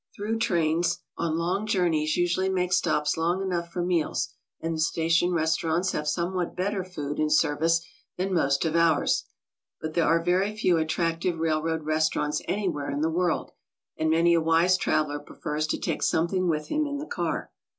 Through trains on long journeys usually make stops long enough for meals, and the station restau rants have somewhat better food and service than most of ours, but there are very few attractive railroad restaurants anywhere in the world, and many a wise traveler prefers to take something with him in the car.